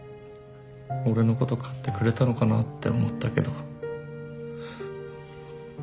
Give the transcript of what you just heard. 俺のこと買ってくれたのかなって思ったけど。